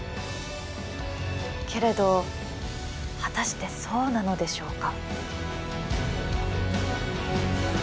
けれど果たしてそうなのでしょうか？